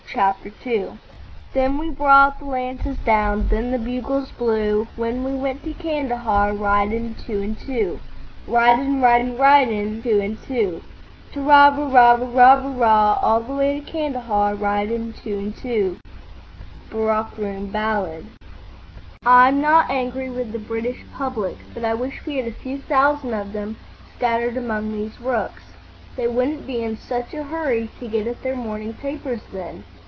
CHAPTER II Then we brought the lances down, then the bugles blew, When we went to Kandahar, ridin' two an' two, Ridin', ridin', ridin', two an' two, Ta ra ra ra ra ra ra, All the way to Kandahar, ridin' two an' two. —Barrack Room Ballad. "I'm not angry with the British public, but I wish we had a few thousand of them scattered among these rooks. They wouldn't be in such a hurry to get at their morning papers then.